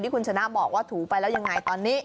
คุณชนะบอกว่าถูไปแล้วยังไงตอนนี้